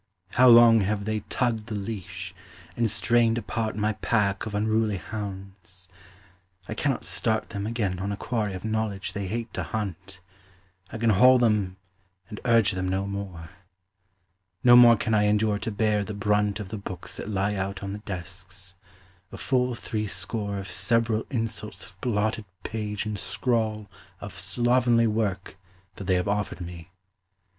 How long have they tugged the leash, and strained apart My pack of unruly hounds: I cannot start Them again on a quarry of knowledge they hate to hunt, I can haul them and urge them no more. No more can I endure to bear the brunt Of the books that lie out on the desks: a full three score Of several insults of blotted page and scrawl Of slovenly work that they have offered me.